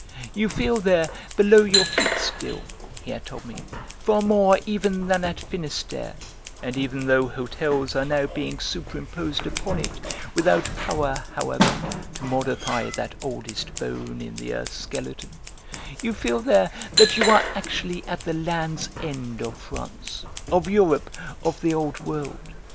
"You feel, there, below your feet still," he had told me, "far more even than at Finistère (and even though hotels are now being superimposed upon it, without power, however, to modify that oldest bone in the earth's skeleton) you feel there that you are actually at the land's end of France, of Europe, of the Old World.